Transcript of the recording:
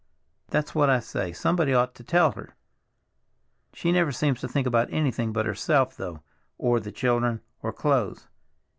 "That's what I say, somebody ought to tell her. She never seems to think about anything but herself, though—or the children, or clothes.